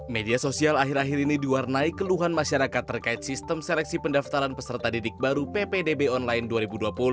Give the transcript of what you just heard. media sosial akhir akhir ini diwarnai keluhan masyarakat terkait sistem seleksi pendaftaran peserta didik baru ppdb online dua ribu dua puluh